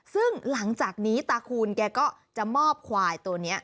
ซึ่งหลังจากนี้ตาคูณแกก็จะมอบควายตัวนี้